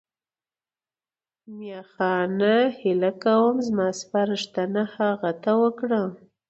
میاخانه هیله کوم زما سپارښتنه هغه ته وکړه.